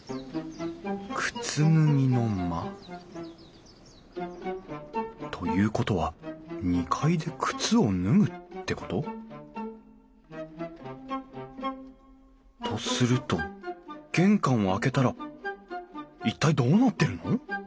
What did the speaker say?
靴脱ぎの間。ということは２階で靴を脱ぐってこと？とすると玄関を開けたら一体どうなってるの？